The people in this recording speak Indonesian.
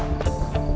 udah usah ngelanjut